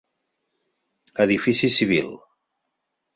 Edifici civil.